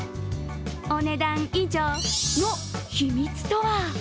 「お、ねだん以上」の秘密とは。